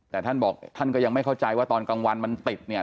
แต่ท่านบอกท่านก็ยังไม่เข้าใจว่าตอนกลางวันมันติดเนี่ย